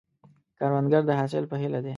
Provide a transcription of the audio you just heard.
کروندګر د حاصل په هیله دی